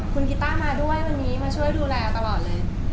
คุณกิต้ามาด้วยวันนี้มาช่วยดูแลตลอดเลย